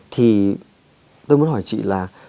thì tôi muốn hỏi chị là